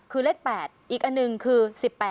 คือเลข๘อีกอันหนึ่งคือ๑๘